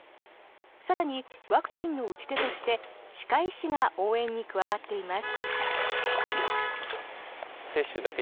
更に、ワクチンの打ち手として歯科医師が応援に加わっています。